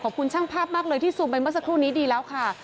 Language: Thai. ช่างภาพมากเลยที่ซูมไปเมื่อสักครู่นี้ดีแล้วค่ะ